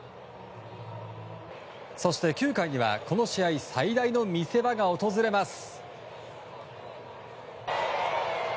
そして９回には、この試合最大の見せ場が訪れます。